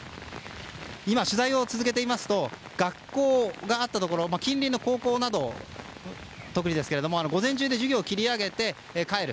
今、取材を続けていますと近隣の高校などは特にですが午前中で授業を切り上げて帰る。